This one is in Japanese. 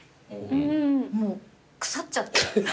もう腐っちゃって。